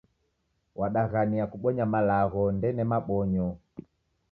Wadaghania kubonya malagho, ndene mabonyo